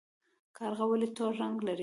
کارغه ولې تور رنګ لري؟